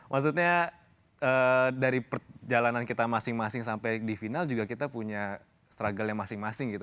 maksudnya dari perjalanan kita masing masing sampai di final juga kita punya struggle nya masing masing gitu